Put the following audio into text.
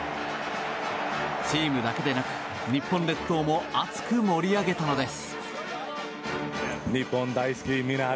チームだけでなく日本列島も熱く盛り上げたのです。